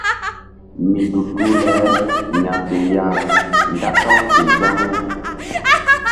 Mi tu tu le ya̧fe ya nda ka̧w ke zaŋu.